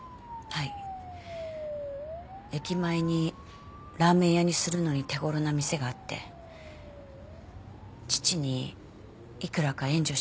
はい駅前にラーメン屋にするのに手頃な店があって父にいくらか援助してもらおうと。